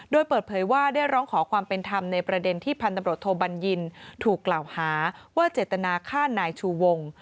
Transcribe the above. โดยเปิดเผยว่าได้ร้องขอความเป็นธรรมในประเด็นที่พันธบรตโทบัญญินถูกกล่าวหาว่าเจตนาฆ่านายชูวง